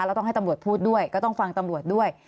แล้วต้องให้ตำรวจพูดด้วยก็ต้องฟังตำรวจด้วย